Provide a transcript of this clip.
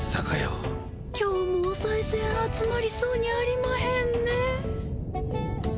今日もおさいせん集まりそうにありまへんね。